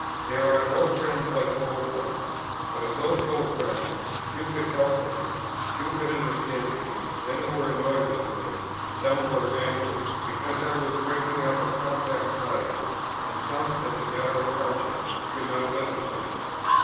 There are no friends like old friends; but of those old friends, few could help me, few could understand me, many were annoyed with me, some were angry, because I was breaking up a compact party, and some, as a matter of conscience, could not listen to me.